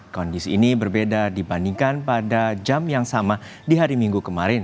kondisi ini berbeda dibandingkan pada jam yang sama di hari minggu kemarin